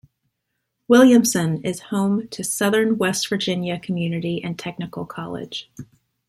Williamson is home to Southern West Virginia Community and Technical College.